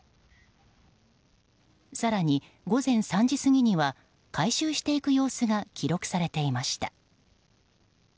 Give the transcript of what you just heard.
更に、午前３時過ぎには回収していく様子が記録されていました。